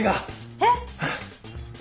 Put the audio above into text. えっ？